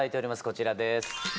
こちらです。